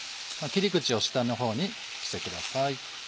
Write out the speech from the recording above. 切り口を下のほうにしてください。